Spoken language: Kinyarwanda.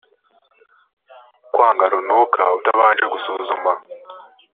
kwanga runaka utabanje gusuzuma